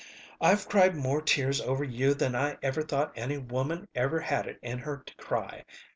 I've cried more tears over you than I ever thought any woman ever had it in her to cry.